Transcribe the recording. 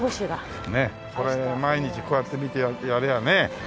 これを毎日こうやって見てやればね。